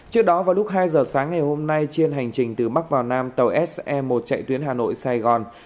trước đó vào lúc hai giờ sáng ngày hôm nay trên hành trình từ bắc vào nam tàu se một chạy tuyến hà nội sài gòn